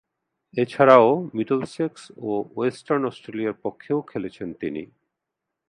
এছাড়াও, মিডলসেক্স ও ওয়েস্টার্ন অস্ট্রেলিয়ার পক্ষেও খেলেছেন তিনি।